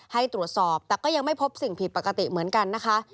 ให้ตรวจสอบแต่ก็ยังไม่พบสิ่งผิดปกติเหมือนกันนะคะ